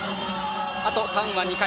あとターンは２回。